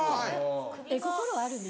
絵心あるね。